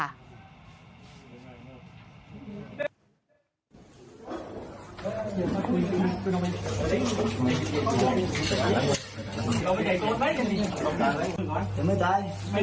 พี่หุยรู้มั้ยเขาทำอะไรอยู่ในห้องนอนในมือถื